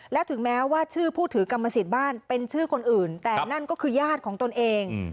และถึงแม้ว่าชื่อผู้ถือกรรมสิทธิ์บ้านเป็นชื่อคนอื่นแต่นั่นก็คือญาติของตนเอง